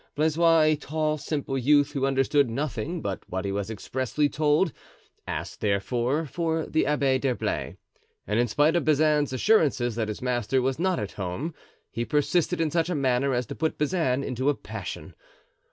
Blaisois, a tall, simple youth, who understood nothing but what he was expressly told, asked, therefore for the Abbé d'Herblay, and in spite of Bazin's assurances that his master was not at home, he persisted in such a manner as to put Bazin into a passion.